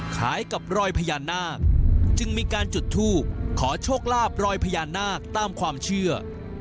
คล้ายกับรอยพญานาคจึงมีการจุดทูบขอโชคลาบรอยพญานาคตามความเชื่อ